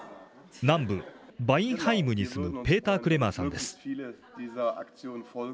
南部バインハイムに住むペーター・クレマーさんです。